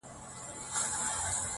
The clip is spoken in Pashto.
په کهاله کي د مارانو شور ماشور سي.!